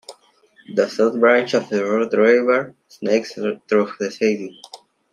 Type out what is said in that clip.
The South Branch of the Root River snakes through the city.